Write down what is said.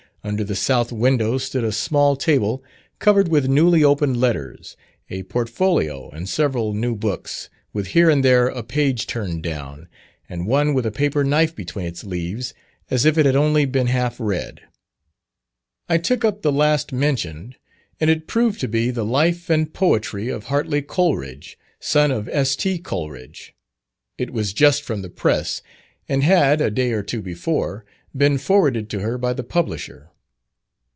Under the south window stood a small table covered with newly opened letters, a portfolio and several new books, with here and there a page turned down, and one with a paper knife between its leaves as if it had only been half read. I took up the last mentioned, and it proved to be the "Life and Poetry of Hartly Coleridge," son of S.T. Coleridge. It was just from the press, and had, a day or two before, been forwarded to her by the publisher.